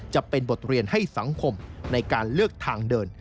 จะเป็นบทเรียนให้สังคมในการเลือกทางเดิน